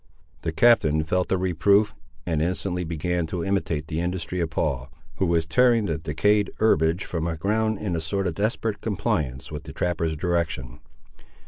The captain felt the reproof, and instantly began to imitate the industry of Paul, who was tearing the decayed herbage from the ground in a sort of desperate compliance with the trapper's direction.